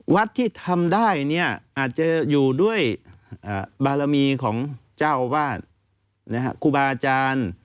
วัดที่ทำได้เนี่ยอาจจะอยู่ด้วยบารมีของเจ้าอาวาสครูบาอาจารย์